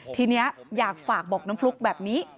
ทีนี้อยากฝากบอกน้องฟลุ๊กแบบนี้